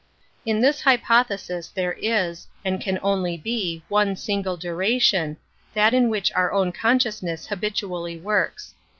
58 An Introduction to In this hypothesis there is, and can only be, one single duration, that in which our own consciousness habitually works.